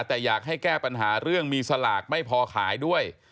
แต่อยากให้แก้ปัญหาเรื่องมีสลากไม่พอขายด้วย